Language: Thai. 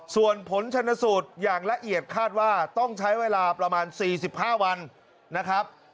ส่วนผลชนสูตรอย่างละเอียดคาดว่าต้องใช้เวลาประมาณ๔๕วันนะครับ